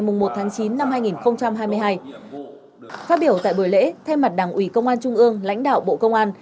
phát biểu tại buổi lễ thay mặt đảng ủy công an trung ương lãnh đạo bộ công an